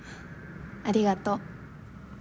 ありがとう。